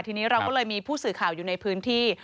ทีนี้เราก็เลยมีผู้สื่อข่าวอยู่ในพื้นที่